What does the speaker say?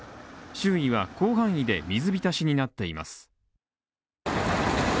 周囲は広範囲で水浸しになっています。